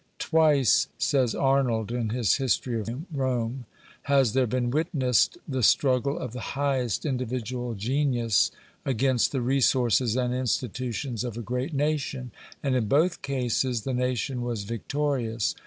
"Twice," says Arnold in his History of Rome, "Has there been witnessed the struggle of the highest individual genius against the resources and institutions of a great nation, and in both cases the nation was victorious.